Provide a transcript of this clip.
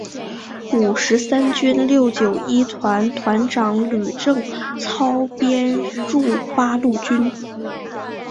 五十三军六九一团团长吕正操编入八路军。